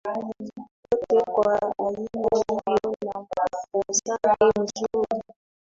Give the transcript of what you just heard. yote kwa aina hiyo na muhtasari mzuri